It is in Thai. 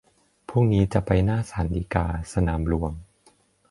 พรุ่งนี้จะไปหน้าศาลฎีกา สนามหลวง